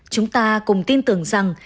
chúng ta cùng tin tưởng rằng